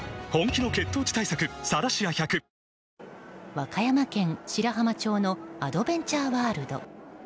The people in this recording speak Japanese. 和歌山県白浜町のアドベンチャーワールド。